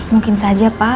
mungkin saja pak